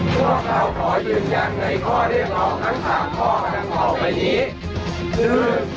พวกเราขอยืนยังในข้อเรียกของทั้ง๓ข้อทั้งข้อไปนี้